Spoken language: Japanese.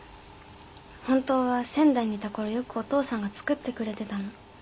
本当は仙台にいたころよくお父さんが作ってくれてたの。